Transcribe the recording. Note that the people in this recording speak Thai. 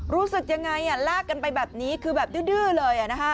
รู้สึกยังไงลากกันไปแบบนี้คือแบบดื้อเลย